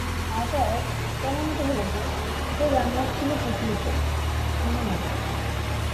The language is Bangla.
অতএব, প্রমাণিত হলো যে, সে জান্নাত ছিল পৃথিবীতে আসমানে নয়।